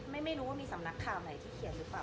ไม่รู้ว่ามีสำนักข่าวไหนที่เขียนหรือเปล่า